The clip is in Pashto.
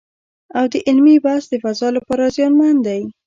او د علمي بحث د فضا لپاره زیانمن دی